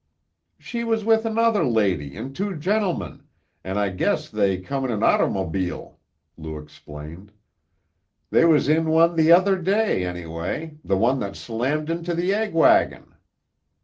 "She was with another lady an' two gentlemen, an' I guess they come in an ottermobile," Lou explained. "They was in one the next day, anyway the one that slammed into the egg wagon."